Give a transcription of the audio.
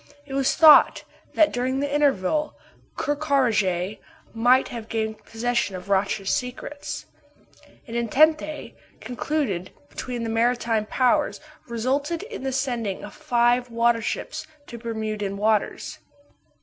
It was thought that during the interval, Ker Karraje might have gained possession of Roch's secrets. An entente concluded between the maritime powers, resulted in the sending of five warships to Bermudan waters.